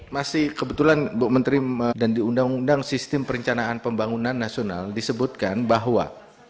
masih kebetulan bu menteri dan di undang undang sistem perencanaan pembangunan nasional disebutkan bahwa